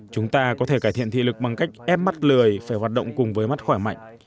chúng ta có thể cải thiện thị lực bằng cách ép mắt lười phải hoạt động cùng với mắt khỏe mạnh